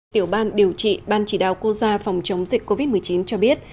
tiểu ban điều trị ban chỉ đạo quốc gia phòng chống dịch covid một mươi chín cho biết